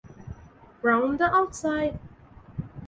Round the Outside!